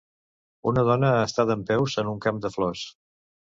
Una dona està dempeus en un camp de flors.